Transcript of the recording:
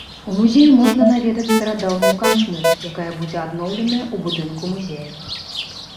У музеі можна наведаць старадаўнюю карчму, якая будзе адноўленая ў будынку музея.